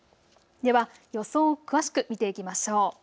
では、予想を詳しく見ていきましょう。